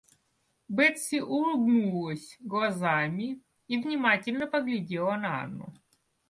Бетси улыбнулась глазами и внимательно поглядела на Анну.